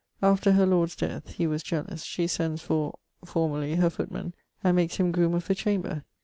After her lord's death (he was jealous) she sends for ... (formerly) her footman, and makes him groom of the chamber.